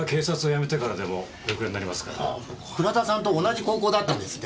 倉田さんと同じ高校だったんですって？